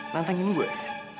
nantangin gua ya